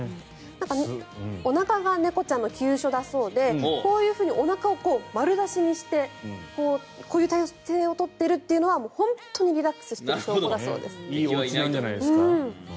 おなかが猫ちゃんの急所だそうでこういうふうにおなかを丸出しにしてこういう体勢を取っているというのは本当にリラックスしている証拠だそうです。